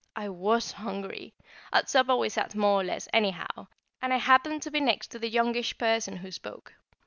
I was hungry. At supper we sat more or less anyhow, and I happened to be next the youngish person who spoke.